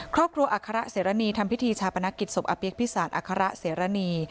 ครอบครัวอเสรณีทำพิธีชาปนกิจศพอพิสารอเสรณี